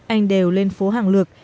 anh đều lên phố hàng lược